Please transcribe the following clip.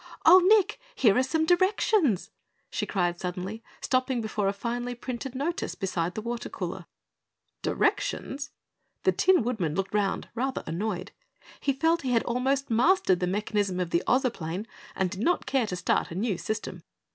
"Oh, Nick, here are some directions!" she cried suddenly, stopping before a finely printed notice beside the water cooler. "Directions?" The Tin Woodman looked round rather annoyed. He felt he had almost mastered the mechanism of the Ozoplane and did not care to start a new system.